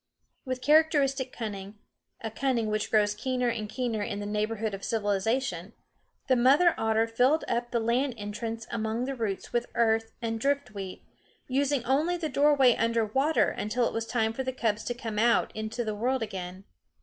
With characteristic cunning a cunning which grows keener and keener in the neighborhood of civilization the mother otter filled up the land entrance among the roots with earth and driftweed, using only the doorway under water until it was time for the cubs to come out into the world again.